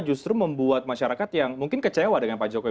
justru membuat masyarakat yang mungkin kecewa dengan pak jokowi